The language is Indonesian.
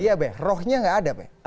iya rohnya tidak ada